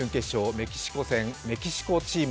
メキシコ戦、メキシコチーム